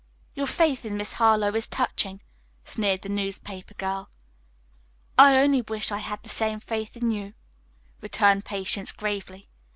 "Your faith in Miss Harlowe is touching," sneered the newspaper girl. "I only wish I had the same faith in you," returned Patience gravely.